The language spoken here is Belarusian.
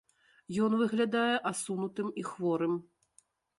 Ён выглядае асунутым і хворым.